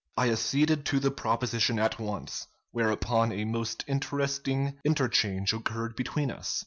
I acceded to the proposition at once, whereupon a most interesting interchange occurred between us.